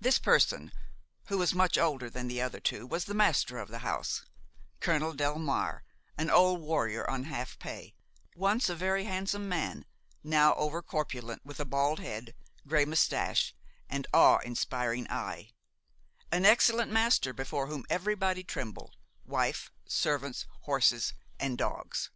This person, who was much older than the other two, was the master of the house, Colonel Delmare, an old warrior on half pay, once a very handsome man, now over corpulent, with a bald head, gray moustache and awe inspiring eye; an excellent master before whom everybody trembled, wife, servants, horses and dogs.